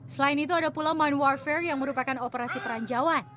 selain itu ada pula mind warfare yang merupakan operasi peran jawa